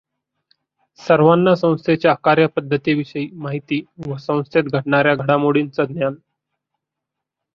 सर्वांना संस्थेच्या कार्यपध्दतीविषयी माहिती व संस्थेत घडणाच्या घडामोडींचं ज्ञान.